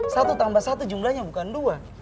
satu tambah satu jumlahnya bukan dua